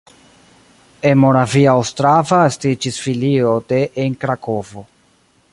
En Moravia Ostrava estiĝis filio de en Krakovo.